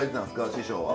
師匠は。